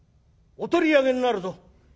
お取り上げになるぞ」。